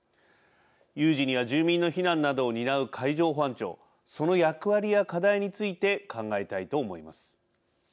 有事には住民の避難などを担う海上保安庁その役割や課題について考えたいと思います。